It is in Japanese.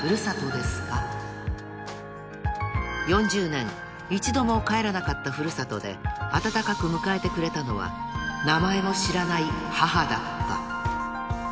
［４０年一度も帰らなかった古里で温かく迎えてくれたのは名前も知らない母だった］